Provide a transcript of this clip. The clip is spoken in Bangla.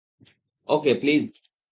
Okay, please.